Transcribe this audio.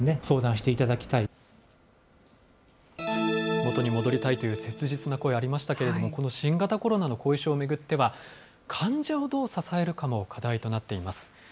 元に戻りたいという切実な声、ありましたけど、この新型コロナの後遺症を巡っては、患者をどう支えるかも課題となっています。